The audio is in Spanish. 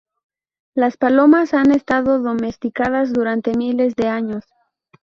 Las palomas han estado domesticadas durante miles de años.